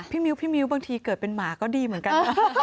มิ้วพี่มิ้วบางทีเกิดเป็นหมาก็ดีเหมือนกัน